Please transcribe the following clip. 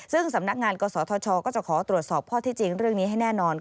ซึ่งสำนักงานกศธชก็จะขอตรวจสอบข้อที่จริงเรื่องนี้ให้แน่นอน